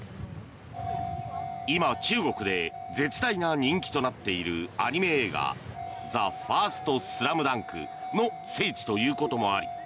今、中国で絶大な人気となっているアニメ映画「ＴＨＥＦＩＲＳＴＳＬＡＭＤＵＮＫ」の聖地ということもあり